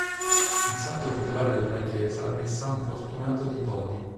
Il santo titolare della chiesa è san Fortunato di Todi.